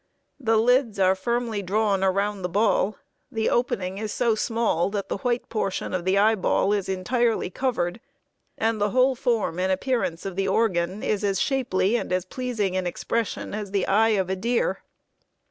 The lids are firmly drawn around the ball, the opening is so small that the white portion of the eyeball is entirely covered, and the whole form and appearance of the organ is as shapely and as pleasing in expression as the eye of a deer.